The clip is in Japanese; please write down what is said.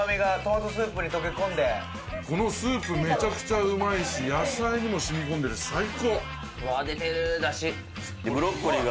このスープめちゃくちゃうまいし、野菜にも染み込んでいるし最高！